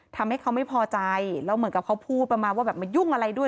ทำให้เขาไม่พอใจแล้วเหมือนกับเขาพูดประมาณว่าแบบมายุ่งอะไรด้วย